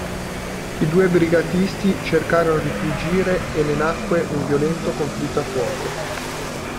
I due brigatisti cercarono di fuggire e ne nacque un violento conflitto a fuoco.